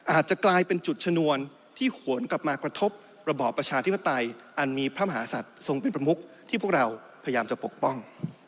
อาจจะกลายเป็นจุดชนวนที่หวนกลับมากระทบระบอบประชาธิปไตยอันมีพระมหาศัตริย์ทรงเป็นประมุกที่พวกเราพยายามจะปกป้อง